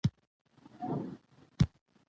تعلیم نجونو ته د معلوماتو د ترلاسه کولو لار ښيي.